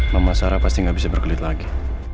mama sarah pasti nggak bisa berkelit lagi